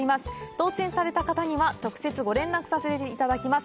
当選された方には直接ご連絡させて頂きます